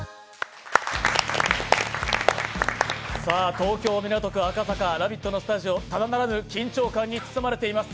東京・港区赤坂、「ラヴィット！」のスタジオ、ただならぬ緊張感に包まれています。